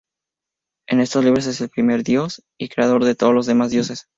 En estos libros es el primer dios y creador de todos los demás dioses.